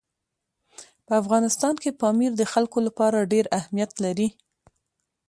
په افغانستان کې پامیر د خلکو لپاره ډېر اهمیت لري.